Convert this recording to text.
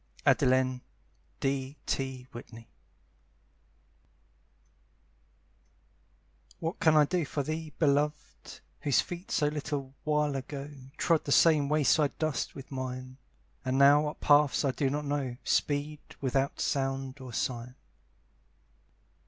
ADELINE D. T. WHITNEY What can I do for thee, Beloved, Whose feet so little while ago Trod the same way side dust with mine, And now up paths I do not know Speed, without sound or sign?